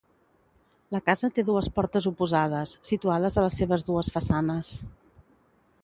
La casa té dues portes oposades, situades a les seves dues façanes.